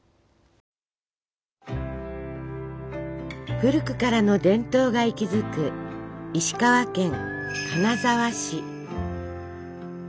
古くからの伝統が息づく石川県金沢市。